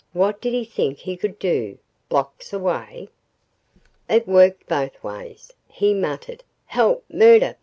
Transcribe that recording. What did he think he could do blocks away? "It works both ways," he muttered. "Help! Murder!